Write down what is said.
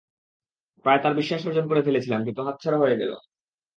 প্রায় তার বিশ্বাস অর্জন করে ফেলেছিলাম কিন্তু হাতছাড়া হয়ে গেল।